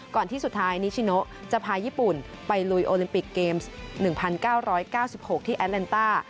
ที่สุดท้ายนิชิโนจะพาญี่ปุ่นไปลุยโอลิมปิกเกมส์๑๙๙๖ที่แอเลนต้า